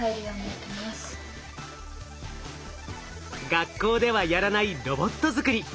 学校ではやらないロボット作り。